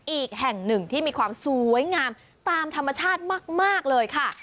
อีกแห่งหนึ่งที่มีความสวยงามตามธรรมชาติมากเลยค่ะ